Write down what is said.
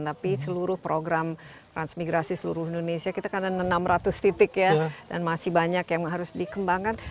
tapi seluruh program transmigrasi seluruh indonesia kita kan ada enam ratus titik ya dan masih banyak yang harus dikembangkan